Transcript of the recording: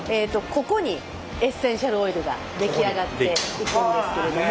ここにエッセンシャルオイルが出来上がっていくんですけれども。